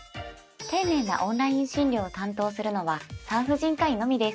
丁寧なオンライン診療を担当するのは産婦人科医のみです。